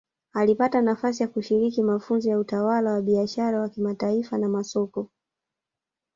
Alipata nafasi ya kushiriki mafunzo ya utawala wa biashara wa kimataifa na masoko